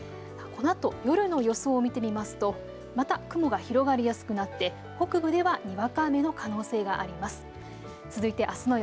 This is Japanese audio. このあと夜の予想を見てみますとまた雲が広がりやすくなって、北部ではにわか雨の可能性があります。